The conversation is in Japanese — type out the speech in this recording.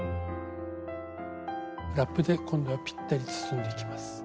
ラップで今度はぴったり包んでいきます。